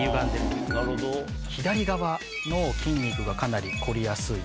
左側の筋肉がかなりこりやすい。